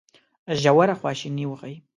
ژوره خواشیني وښيي.